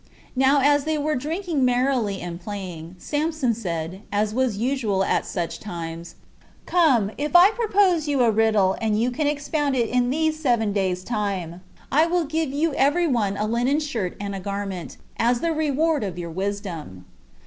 Now as they were drinking merrily and playing, Samson said, as was usual at such times, "Come, if I propose you a riddle, and you can expound it in these seven days' time, I will give you every one a linen shirt and a garment, as the reward of your wisdom."